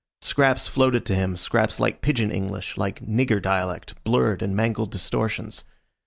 Scraps floated to him, scraps like Pigeon English, like "nigger" dialect, blurred and mangled distortions.